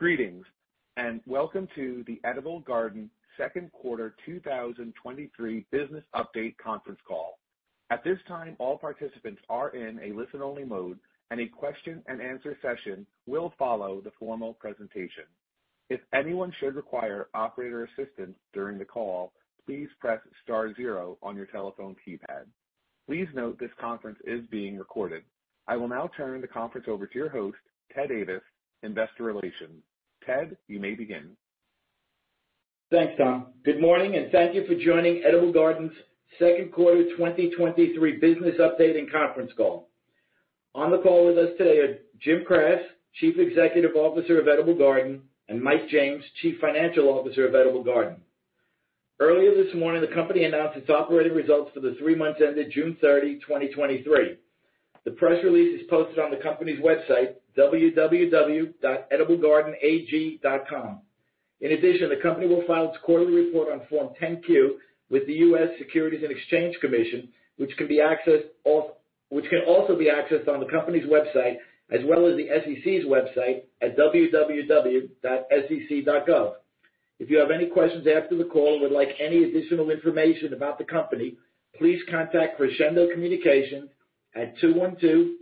Greetings, welcome to the Edible Garden Second Quarter 2023 Business Update Conference Call. At this time, all participants are in a listen-only mode, and a question-and-answer session will follow the formal presentation. If anyone should require operator assistance during the call, please press star zero on your telephone keypad. Please note, this conference is being recorded. I will now turn the conference over to your host, Ted Ayvas, Investor Relations. Ted, you may begin. Thanks, Tom. Good morning, thank you for joining Edible Garden's Second Quarter 2023 Business Update and Conference Call. On the call with us today are Jim Kras, Chief Executive Officer of Edible Garden, and Mike James, Chief Financial Officer of Edible Garden. Earlier this morning, the company announced its operating results for the three months ended June 30, 2023. The press release is posted on the company's website, www.ediblegardenag.com. In addition, the company will file its quarterly report on Form 10-Q with the U.S. Securities and Exchange Commission, which can also be accessed on the company's website, as well as the SEC's website at www.sec.gov. If you have any questions after the call or would like any additional information about the company, please contact Crescendo Communications at 212-671-1020.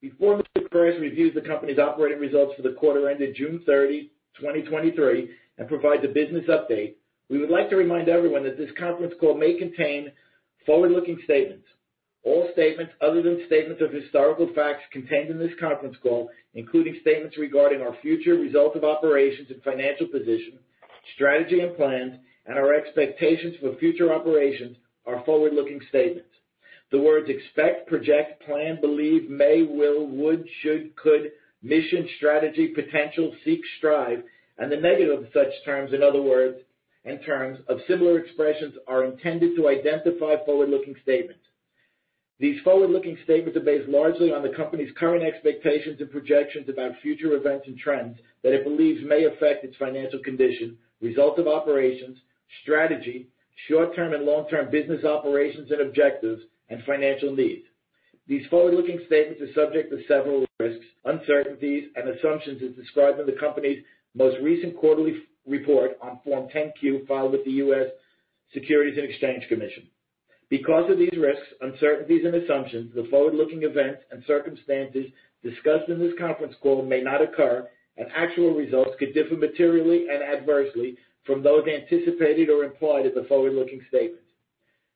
Before Mr. Kras reviews the company's operating results for the quarter ended June 30, 2023, and provides a business update. We would like to remind everyone that this conference call may contain forward-looking statements. All statements other than statements of historical facts contained in this conference call, including statements regarding our future results of operations and financial position, strategy and plans, and our expectations for future operations, are forward-looking statements. The words expect, project, plan, believe, may, will, would, should, could, mission, strategy, potential, seek, strive, and the negative of such terms, in other words, and terms of similar expressions are intended to identify forward-looking statements. These forward-looking statements are based largely on the company's current expectations and projections about future events and trends that it believes may affect its financial condition, results of operations, strategy, short-term and long-term business operations and objectives, and financial needs. These forward-looking statements are subject to several risks, uncertainties, and assumptions as described in the company's most recent quarterly report on Form 10-Q, filed with the U.S. Securities and Exchange Commission. Of these risks, uncertainties, and assumptions, the forward-looking events and circumstances discussed in this conference call may not occur, and actual results could differ materially and adversely from those anticipated or implied in the forward-looking statement.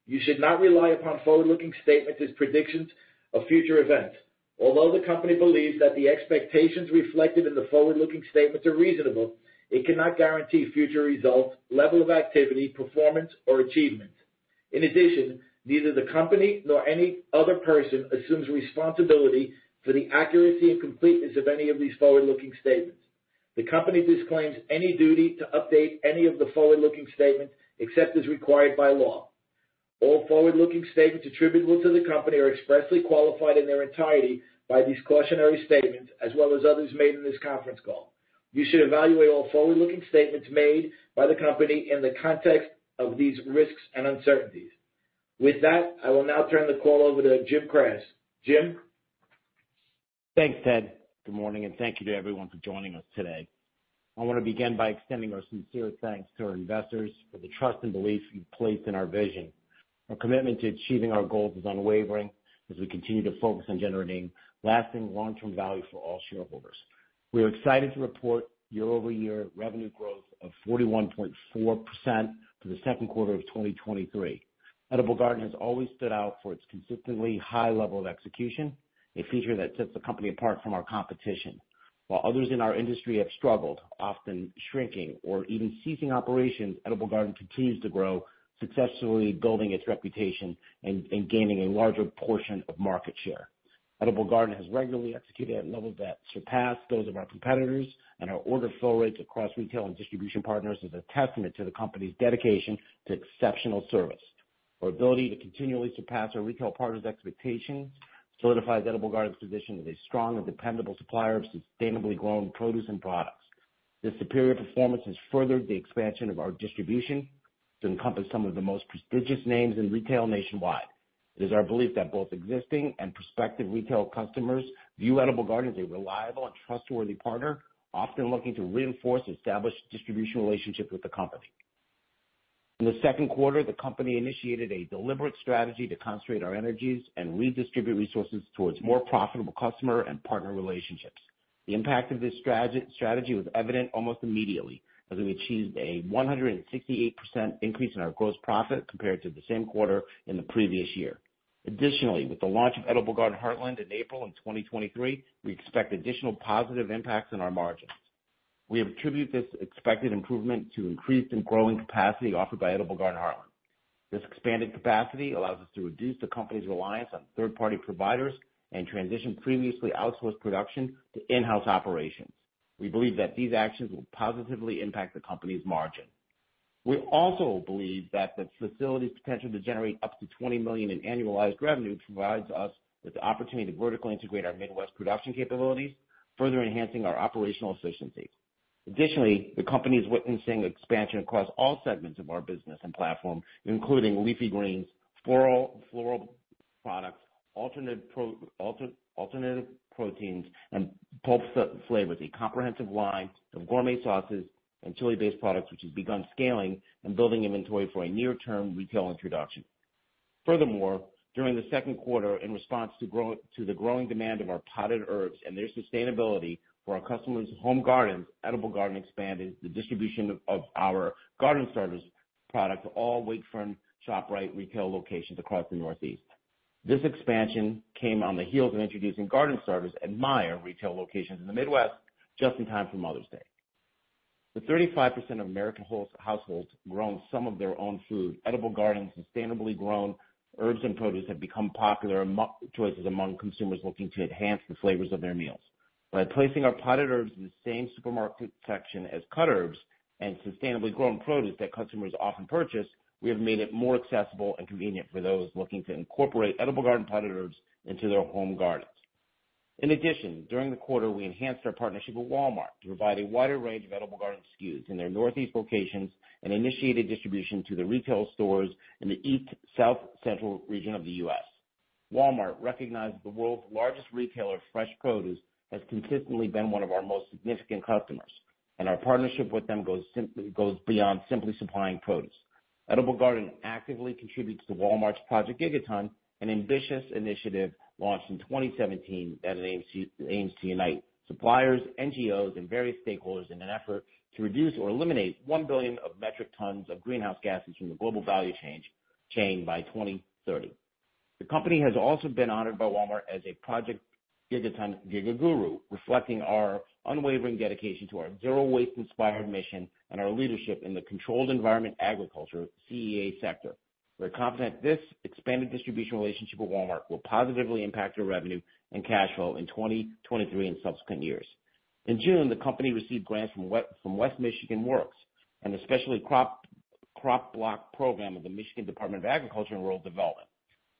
You should not rely upon forward-looking statements as predictions of future events. Although the company believes that the expectations reflected in the forward-looking statements are reasonable, it cannot guarantee future results, level of activity, performance, or achievement. In addition, neither the company nor any other person assumes responsibility for the accuracy and completeness of any of these forward-looking statements. The company disclaims any duty to update any of the forward-looking statements, except as required by law. All forward-looking statements attributable to the company are expressly qualified in their entirety by these cautionary statements, as well as others made in this conference call. You should evaluate all forward-looking statements made by the company in the context of these risks and uncertainties. With that, I will now turn the call over to Jim Kras. Jim? Thanks, Ted. Good morning, thank you to everyone for joining us today. I want to begin by extending our sincere thanks to our investors for the trust and belief you've placed in our vision. Our commitment to achieving our goals is unwavering, as we continue to focus on generating lasting long-term value for all shareholders. We are excited to report year-over-year revenue growth of 41.4% for the second quarter of 2023. Edible Garden has always stood out for its consistently high level of execution, a feature that sets the company apart from our competition. While others in our industry have struggled, often shrinking or even ceasing operations, Edible Garden continues to grow, successfully building its reputation and gaining a larger portion of market share. Edible Garden has regularly executed at levels that surpass those of our competitors, and our order fill rates across retail and distribution partners is a testament to the company's dedication to exceptional service. Our ability to continually surpass our retail partners' expectations solidifies Edible Garden's position as a strong and dependable supplier of sustainably grown produce and products. This superior performance has furthered the expansion of our distribution to encompass some of the most prestigious names in retail nationwide. It is our belief that both existing and prospective retail customers view Edible Garden as a reliable and trustworthy partner, often looking to reinforce established distribution relationships with the company. In the second quarter, the company initiated a deliberate strategy to concentrate our energies and redistribute resources towards more profitable customer and partner relationships. The impact of this strategy was evident almost immediately, as we achieved a 168% increase in our gross profit compared to the same quarter in the previous year. Additionally, with the launch of Edible Garden Heartland in April 2023, we expect additional positive impacts on our margins. We attribute this expected improvement to increased and growing capacity offered by Edible Garden Heartland. This expanded capacity allows us to reduce the company's reliance on third-party providers and transition previously outsourced production to in-house operations. We believe that these actions will positively impact the company's margin. We also believe that the facility's potential to generate up to $20 million in annualized revenue provides us with the opportunity to vertically integrate our Midwest production capabilities, further enhancing our operational efficiency. Additionally, the company is witnessing expansion across all segments of our business and platform, including leafy greens, floral, floral products, alternative proteins, and Pulp flavors, a comprehensive line of gourmet sauces and chili-based products, which has begun scaling and building inventory for a near-term retail introduction. Furthermore, during the second quarter, in response to the growing demand of our potted herbs and their sustainability for our customers' home gardens, Edible Garden expanded the distribution of our garden service product to all Wakefern ShopRite retail locations across the Northeast. This expansion came on the heels of introducing garden service at Meijer retail locations in the Midwest just in time for Mother's Day. With 35% of American households growing some of their own food, Edible Garden sustainably grown herbs and produce have become popular choices among consumers looking to enhance the flavors of their meals. By placing our potted herbs in the same supermarket section as cut herbs and sustainably grown produce that customers often purchase, we have made it more accessible and convenient for those looking to incorporate Edible Garden potted herbs into their home gardens. In addition, during the quarter, we enhanced our partnership with Walmart to provide a wider range of Edible Garden SKUs in their Northeast locations and initiated distribution to the retail stores in the East South Central region of the U.S. Walmart recognized the world's largest retailer of fresh produce, has consistently been one of our most significant customers, and our partnership with them goes simply goes beyond simply supplying produce. Edible Garden actively contributes to Walmart's Project Gigaton, an ambitious initiative launched in 2017 that aims to unite suppliers, NGOs, and various stakeholders in an effort to reduce or eliminate 1 billion metric tons of greenhouse gases from the global value chain by 2030. The company has also been honored by Walmart as a Project Gigaton GigaGuru, reflecting our unwavering dedication to our zero waste inspired mission and our leadership in the Controlled Environment Agriculture, CEA sector. We're confident this expanded distribution relationship with Walmart will positively impact our revenue and cash flow in 2023 and subsequent years. In June, the company received grants from West Michigan Works!, and Specialty Crop Block Program of the Michigan Department of Agriculture and Rural Development.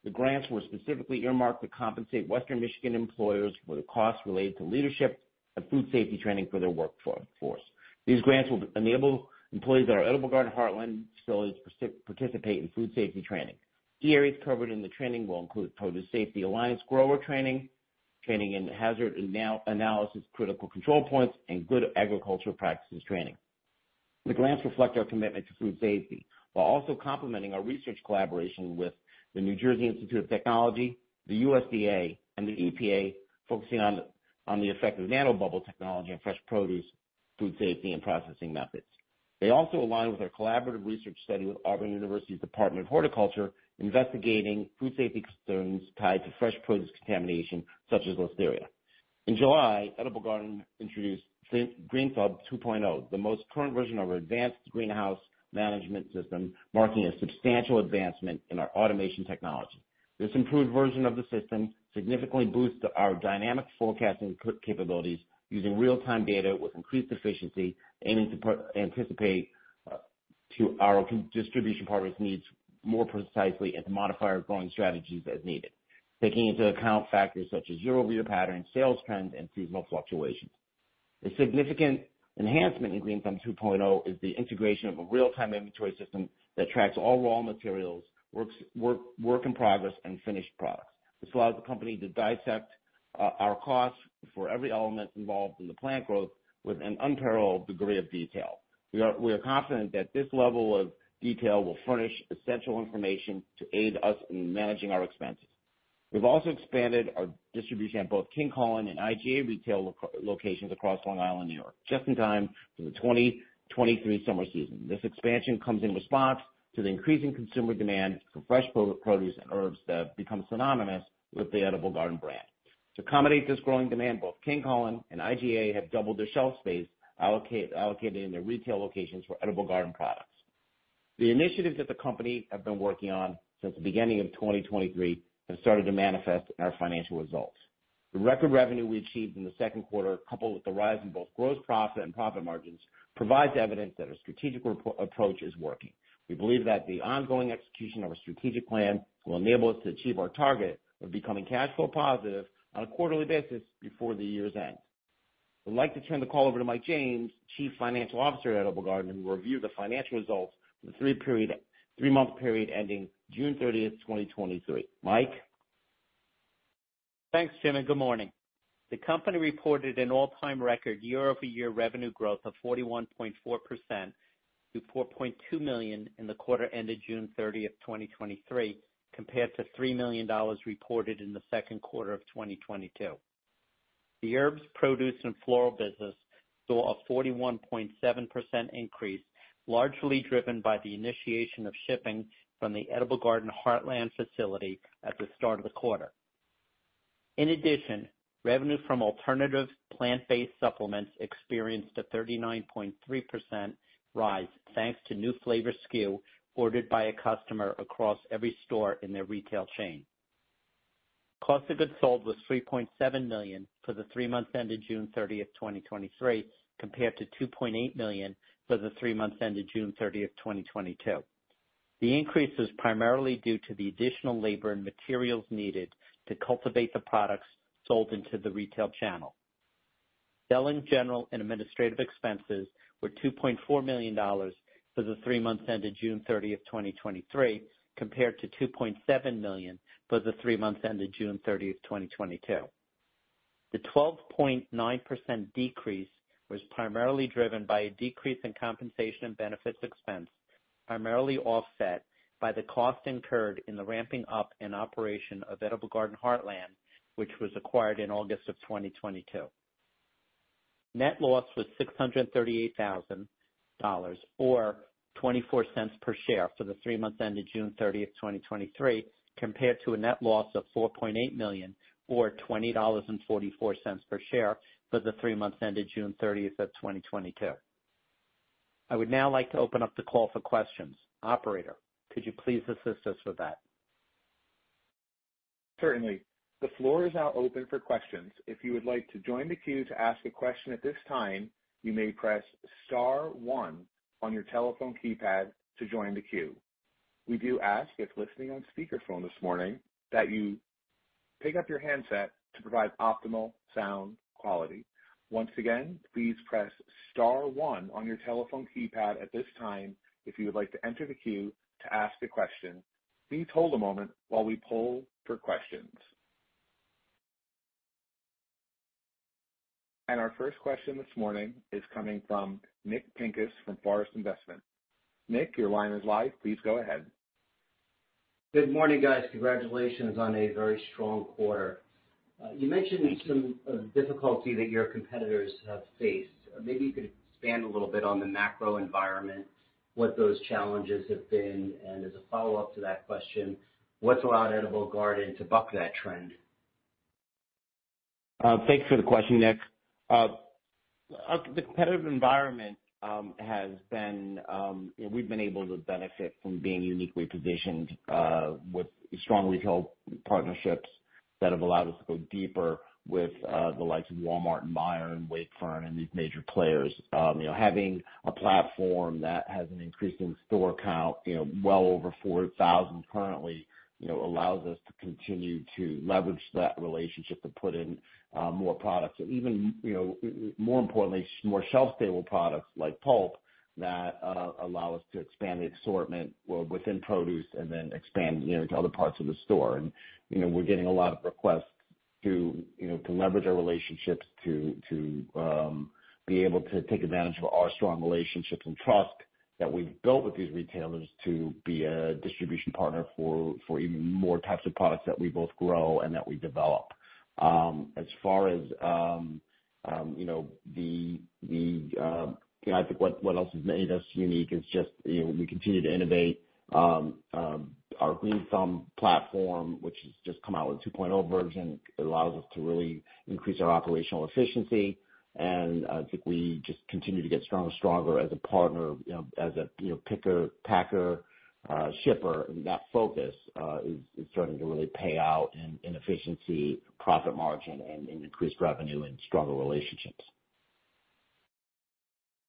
The grants were specifically earmarked to compensate western Michigan employers for the costs related to leadership and food safety training for their workforce. These grants will enable employees at our Edible Garden Heartland facilities to participate in food safety training. Key areas covered in the training will include Produce Safety Alliance grower training, training in Hazard Analysis, Critical Control Points, and Good Agricultural Practices training. The grants reflect our commitment to food safety, while also complementing our research collaboration with the New Jersey Institute of Technology, the USDA, and the EPA, focusing on the effect of nanobubble technology on fresh produce, food safety, and processing methods. They also align with our collaborative research study with Auburn University's Department of Horticulture, investigating food safety concerns tied to fresh produce contamination, such as Listeria. In July, Edible Garden introduced GreenThumb 2.0, the most current version of our advanced greenhouse management system, marking a substantial advancement in our automation technology. This improved version of the system significantly boosts our dynamic forecasting capabilities using real-time data with increased efficiency, aiming to anticipate to our distribution partners' needs more precisely and to modify our growing strategies as needed, taking into account factors such as year-over-year patterns, sales trends, and seasonal fluctuations. A significant enhancement in GreenThumb 2.0 is the integration of a real-time inventory system that tracks all raw materials, work in progress and finished products. This allows the company to dissect our costs for every element involved in the plant growth with an unparalleled degree of detail. We are confident that this level of detail will furnish essential information to aid us in managing our expenses. We've also expanded our distribution at both King Kullen and IGA retail locations across Long Island, New York, just in time for the 2023 summer season. This expansion comes in response to the increasing consumer demand for fresh produce and herbs that have become synonymous with the Edible Garden brand. To accommodate this growing demand, both King Kullen and IGA have doubled their shelf space, allocating in their retail locations for Edible Garden products. The initiatives that the company have been working on since the beginning of 2023 have started to manifest in our financial results. The record revenue we achieved in the second quarter, coupled with the rise in both gross profit and profit margins, provides evidence that our strategic approach is working. We believe that the ongoing execution of our strategic plan will enable us to achieve our target of becoming cash flow positive on a quarterly basis before the year's end. I'd like to turn the call over to Mike James, Chief Financial Officer at Edible Garden, who will review the financial results for the three-month period ending June 30, 2023. Mike? Thanks, Jim, and good morning. The company reported an all-time record year-over-year revenue growth of 41.4% to $4.2 million in the quarter ended June 30, 2023, compared to $3 million reported in the second quarter of 2022. The herbs, produce, and floral business saw a 41.7% increase, largely driven by the initiation of shipping from the Edible Garden Heartland facility at the start of the quarter. In addition, revenue from alternative plant-based supplements experienced a 39.3% rise, thanks to new flavor SKU ordered by a customer across every store in their retail chain. Cost of goods sold was $3.7 million for the three months ended June 30, 2023, compared to $2.8 million for the three months ended June 30th, 2022. The increase is primarily due to the additional labor and materials needed to cultivate the products sold into the retail channel. Selling, general, and administrative expenses were $2.4 million for the three months ended June 30th, 2023, compared to $2.7 million for the three months ended June 30th, 2022. The 12.9% decrease was primarily driven by a decrease in compensation and benefits expense, primarily offset by the cost incurred in the ramping up and operation of Edible Garden Heartland, which was acquired in August of 2022. Net loss was $638,000, or $0.24 per share for the three months ended June 30th, 2023, compared to a net loss of $4.8 million, or $20.44 per share for the three months ended June 30, 2022. I would now like to open up the call for questions. Operator, could you please assist us with that? Certainly. The floor is now open for questions. If you would like to join the queue to ask a question at this time, you may press star one on your telephone keypad to join the queue. We do ask, if listening on speaker phone this morning, that you pick up your handset to provide optimal sound quality. Once again, please press star one on your telephone keypad at this time if you would like to enter the queue to ask a question. Please hold a moment while we poll for questions. Our first question this morning is coming from Nick Pincus from Forest Investment. Nick, your line is live. Please go ahead. Good morning, guys. Congratulations on a very strong quarter. You mentioned some difficulty that your competitors have faced. Maybe you could expand a little bit on the macro environment, what those challenges have been, and as a follow-up to that question, what's allowed Edible Garden to buck that trend? Thanks for the question, Nick. The competitive environment has been, you know, we've been able to benefit from being uniquely positioned with strong retail partnerships that have allowed us to go deeper with the likes of Walmart and Meijer and Wakefern and these major players. You know, having a platform that has an increase in store count, you know, well over 4,000 currently, you know, allows us to continue to leverage that relationship to put in more products. Even, you know, more importantly, more shelf-stable products like Pulp, that allow us to expand the assortment well, within produce and then expand, you know, into other parts of the store. You know, we're getting a lot of requests to, you know, to leverage our relationships to, to be able to take advantage of our strong relationships and trust that we've built with these retailers to be a distribution partner for, for even more types of products that we both grow and that we develop. As far as, you know, I think what, what else has made us unique is just, you know, we continue to innovate our GreenThumb platform, which has just come out with a 2.0 version. It allows us to really increase our operational efficiency, and I think we just continue to get stronger and stronger as a partner, you know, as a, you know, picker, packer, shipper. That focus, is, is starting to really pay out in, in efficiency, profit margin, and in increased revenue and stronger relationships.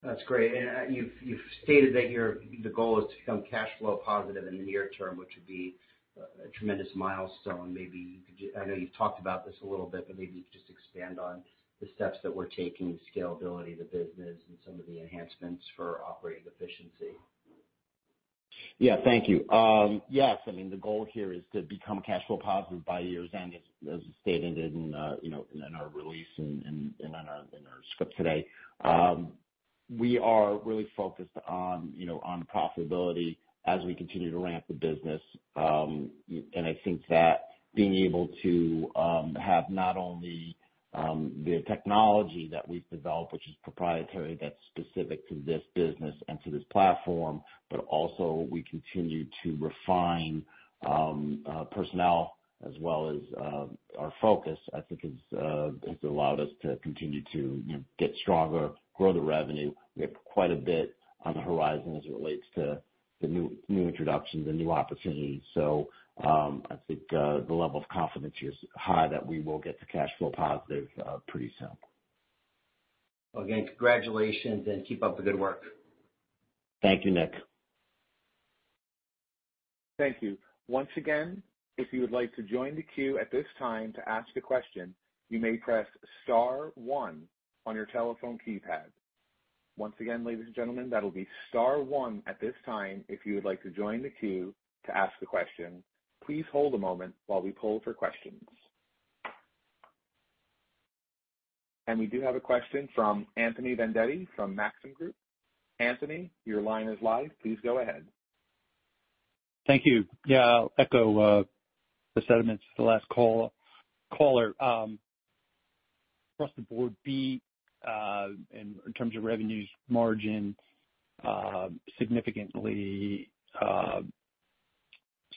That's great. You've, you've stated that the goal is to become cash flow positive in the near term, which would be a, a tremendous milestone. Maybe you could just... I know you've talked about this a little bit, but maybe you could just expand on the steps that we're taking, the scalability of the business and some of the enhancements for operating efficiency. Yeah. Thank you. Yes, I mean, the goal here is to become cash flow positive by year's end, as, as stated in, you know, in, in our release and, and, and in our, in our script today. We are really focused on, you know, on profitability as we continue to ramp the business. I think that being able to have not only the technology that we've developed, which is proprietary, that's specific to this business and to this platform, but also we continue to refine personnel as well as our focus, I think is has allowed us to continue to, you know, get stronger, grow the revenue. We have quite a bit on the horizon as it relates to the new, new introductions and new opportunities. I think, the level of confidence here is high that we will get to cash flow positive, pretty soon. Well, again, congratulations and keep up the good work. Thank you, Nick. Thank you. Once again, if you would like to join the queue at this time to ask a question, you may press star one on your telephone keypad. Once again, ladies and gentlemen, that'll be star one at this time if you would like to join the queue to ask a question. Please hold a moment while we poll for questions. We do have a question from Anthony Vendetti, from Maxim Group. Anthony, your line is live. Please go ahead. Thank you. Yeah, I'll echo the sentiments of the last caller, caller. Across the board, in, in terms of revenues, margin, significantly,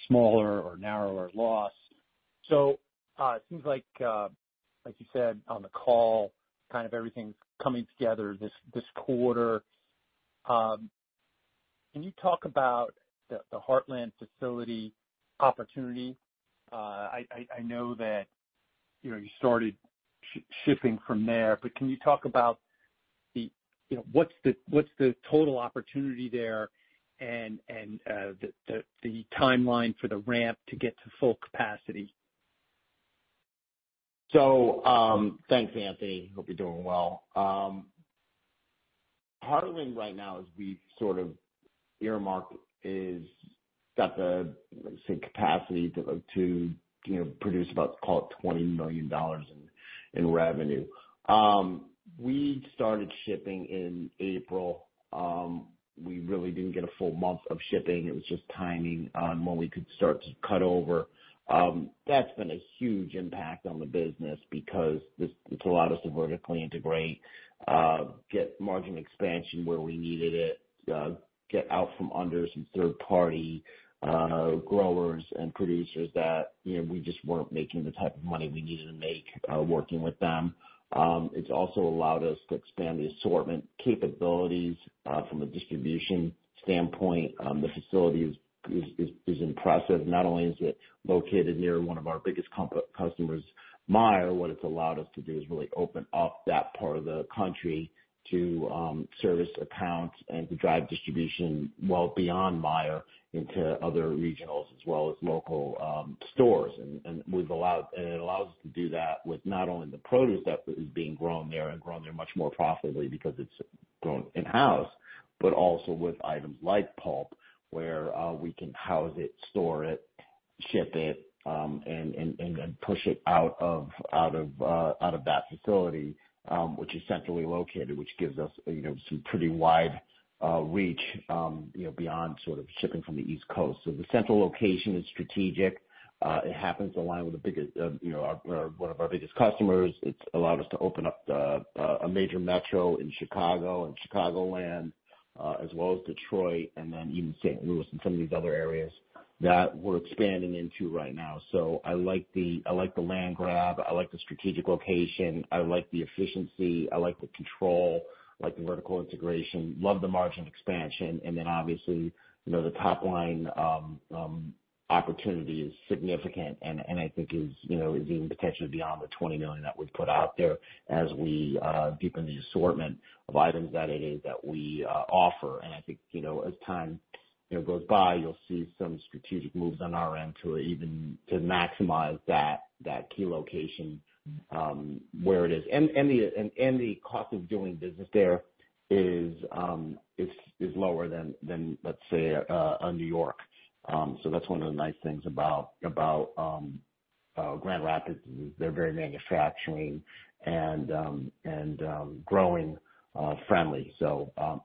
smaller or narrower loss. It seems like, like you said on the call, kind of everything's coming together this, this quarter. Can you talk about the, the Heartland facility opportunity? I, I, I know that, you know, you started shipping from there, but can you talk about-... the, you know, what's the, what's the total opportunity there and, and, the, the, the timeline for the ramp to get to full capacity? Thanks, Anthony. Hope you're doing well. Heartland right now we've sort of earmarked, got the, let's say, capacity to, you know, produce about, call it $20 million in revenue. We started shipping in April. We really didn't get a full month of shipping. It was just timing on when we could start to cut over. That's been a huge impact on the business because it's allowed us to vertically integrate, get margin expansion where we needed it, get out from under some third party growers and producers that, you know, we just weren't making the type of money we needed to make, working with them. It's also allowed us to expand the assortment capabilities from a distribution standpoint. The facility is impressive. Not only is it located near one of our biggest customers, Meijer, what it's allowed us to do is really open up that part of the country to service accounts and to drive distribution well beyond Meijer into other regionals, as well as local stores. It allows us to do that with not only the produce that is being grown there and grown there much more profitably because it's grown in-house, but also with items like Pulp, where we can house it, store it, ship it, and then push it out of that facility, which is centrally located, which gives us, you know, some pretty wide reach, you know, beyond sort of shipping from the East Coast. The central location is strategic. It happens to align with the biggest, you know, our, one of our biggest customers. It's allowed us to open up the, a major metro in Chicago and Chicagoland, as well as Detroit, and then even St. Louis and some of these other areas that we're expanding into right now. I like the, I like the land grab, I like the strategic location, I like the efficiency, I like the control, I like the vertical integration, love the margin expansion, and then obviously, you know, the top line opportunity is significant, and, and I think is, you know, is even potentially beyond the $20 million that we've put out there as we deepen the assortment of items that it is that we offer. I think, you know, as time, you know, goes by, you'll see some strategic moves on our end to even, to maximize that, that key location, where it is. The cost of doing business there is, is lower than, than, let's say, a New York. That's one of the nice things about, about Grand Rapids, is they're very manufacturing and, growing, friendly.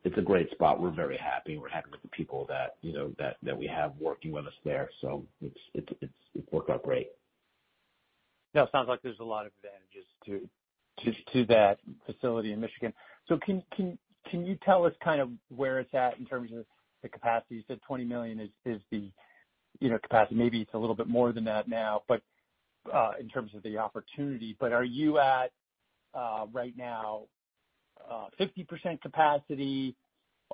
It's a great spot. We're very happy. We're happy with the people that, you know, that, that we have working with us there, so it's, it's, it's worked out great. Yeah, it sounds like there's a lot of advantages to, to, to that facility in Michigan. Can you tell us kind of where it's at in terms of the capacity? You said $20 million is the, you know, capacity. Maybe it's a little bit more than that now, but in terms of the opportunity, but are you at right now 50% capacity?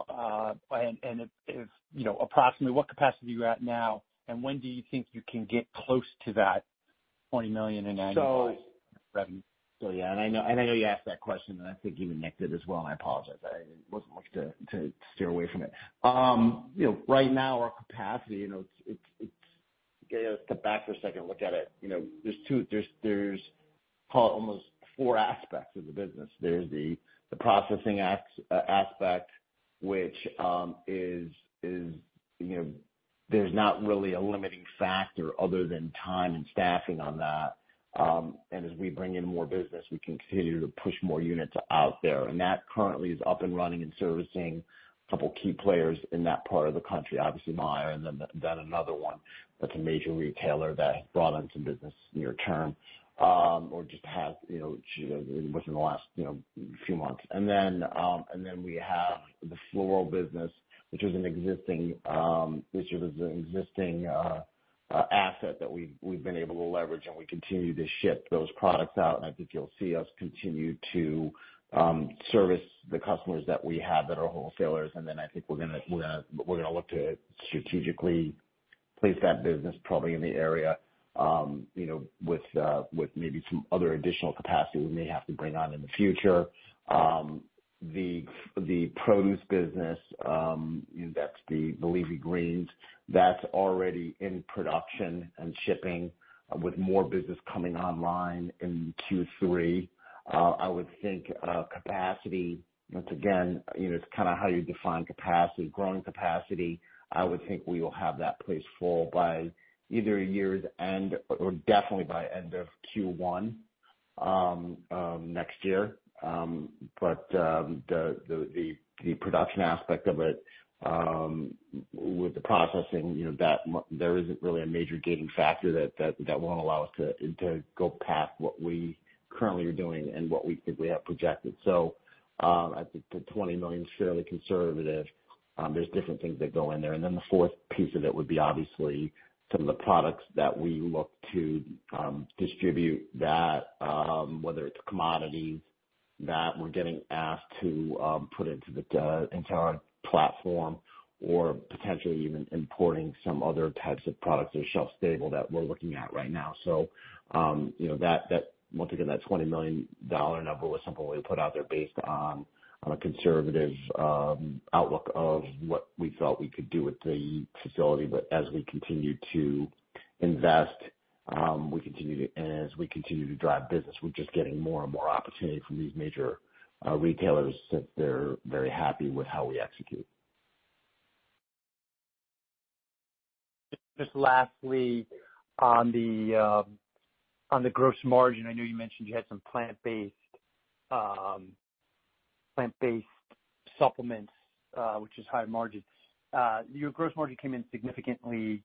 If, you know, approximately, what capacity are you at now, and when do you think you can get close to that $20 million in annual- So- revenue? Yeah, and I know, and I know you asked that question, and I think you meant it as well, and I apologize. I wasn't looking to steer away from it. You know, right now, our capacity, you know, step back for a second and look at it, you know, there's two, there's call it almost four aspects of the business. There's the, the processing ax aspect, which is, you know, there's not really a limiting factor other than time and staffing on that. As we bring in more business, we continue to push more units out there, and that currently is up and running and servicing a couple key players in that part of the country, obviously, Meijer, and then, then another one, that's a major retailer that brought in some business near term, or just has, you know, within the last, you know, few months. Then, and then we have the floral business, which is an existing, this is an existing asset that we've, we've been able to leverage, and we continue to ship those products out. I think you'll see us continue to service the customers that we have that are wholesalers, then I think we're gonna, we're gonna, we're gonna look to strategically place that business probably in the area, you know, with maybe some other additional capacity we may have to bring on in the future. The produce business, that's the leafy greens, that's already in production and shipping with more business coming online in Q3. I would think, capacity, once again, you know, it's kind of how you define capacity, growing capacity. I would think we will have that place full by either year's end or definitely by end of Q1 next year. The production aspect of it, with the processing, you know, there isn't really a major gating factor that, that, that won't allow us to, to go past what we currently are doing and what we, we have projected. I think the $20 million is fairly conservative. There's different things that go in there. The fourth piece of it would be obviously some of the products that we look to distribute, that, whether it's commodities that we're getting asked to put into the into our platform or potentially even importing some other types of products that are shelf stable that we're looking at right now. You know, once again, that $20 million number was simply put out there based on a conservative outlook of what we felt we could do with the facility. As we continue to invest, and as we continue to drive business, we're just getting more and more opportunity from these major retailers, since they're very happy with how we execute. Just lastly, on the gross margin, I know you mentioned you had some plant-based, plant-based supplements, which is high margin. Your gross margin came in significantly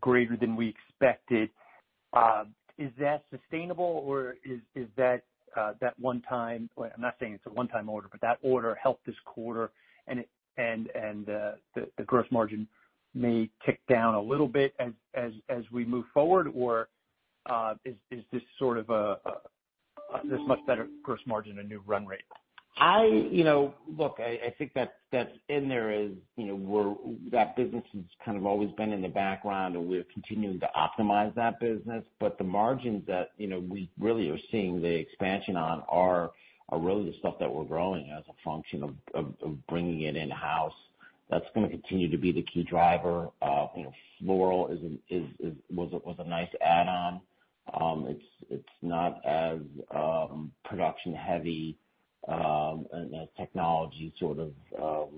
greater than we expected. Is that sustainable or is that a one time? I'm not saying it's a one-time order, but that order helped this quarter and the gross margin may tick down a little bit as we move forward? Is this sort of a, this much better gross margin, a new run rate? You know, look, I, I think that's, that's in there is, you know, we're that business has kind of always been in the background, and we're continuing to optimize that business. The margins that, you know, we really are seeing the expansion on are, are really the stuff that we're growing as a function of, of, of bringing it in-house. That's gonna continue to be the key driver. You know, floral is, is, is, was a, was a nice add-on. It's, it's not as production heavy, and as technology sort of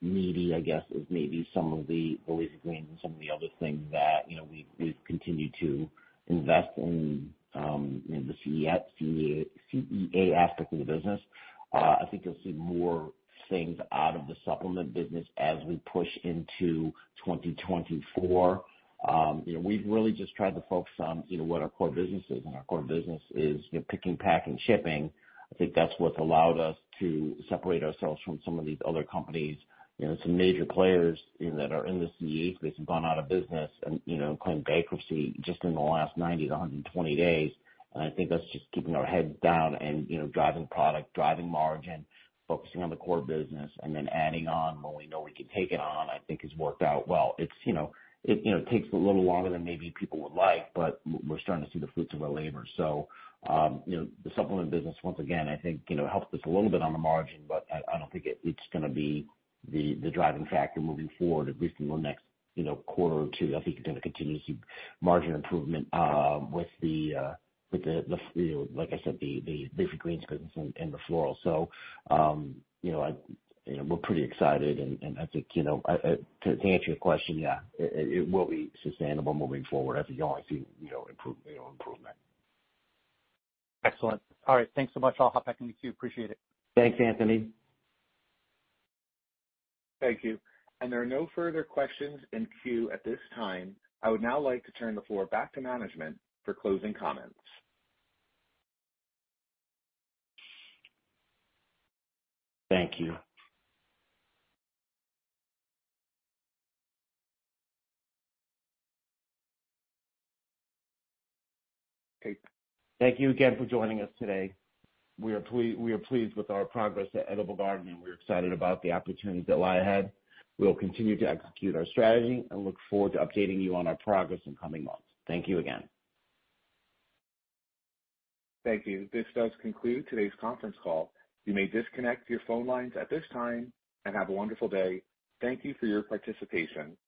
needy, I guess, as maybe some of the basic greens and some of the other things that, you know, we've, we've continued to invest in, in the CEA aspect of the business. I think you'll see more things out of the supplement business as we push into 2024. You know, we've really just tried to focus on, you know, what our core business is, and our core business is, you know, picking, packing, shipping. I think that's what's allowed us to separate ourselves from some of these other companies. You know, some major players, you know, that are in the CEA space have gone out of business and, you know, claimed bankruptcy just in the last 90-120 days. I think that's just keeping our heads down and, you know, driving product, driving margin, focusing on the core business, and then adding on when we know we can take it on, I think has worked out well. It's, you know, it, you know, takes a little longer than maybe people would like, but we're starting to see the fruits of our labor. You know, the supplement business, once again, I think, you know, helps us a little bit on the margin, but I, I don't think it's gonna be the, the driving factor moving forward, at least in the next, you know, quarter or two. I think it's gonna continue to see margin improvement, with the, with the, the, you know, like I said, the, the basic greens business and the floral. You know, I, you know, we're pretty excited, and, and I think, you know, to, to answer your question, yeah, it, it will be sustainable moving forward. I think you'll only see, you know, improve, you know, improvement. Excellent. All right, thanks so much. I'll hop back in the queue. Appreciate it. Thanks, Anthony. Thank you. There are no further questions in queue at this time. I would now like to turn the floor back to management for closing comments. Thank you. Thank you again for joining us today. We are pleased with our progress at Edible Garden, we're excited about the opportunities that lie ahead. We'll continue to execute our strategy and look forward to updating you on our progress in coming months. Thank you again. Thank you. This does conclude today's conference call. You may disconnect your phone lines at this time and have a wonderful day. Thank you for your participation.